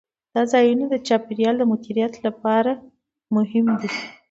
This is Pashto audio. دا ځایونه د چاپیریال د مدیریت لپاره مهم دي.